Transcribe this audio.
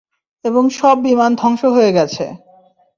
এবং সব বিমান ধংস হয়ে গেছে।